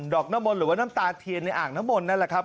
อกน้ำมนต์หรือว่าน้ำตาเทียนในอ่างน้ำมนต์นั่นแหละครับ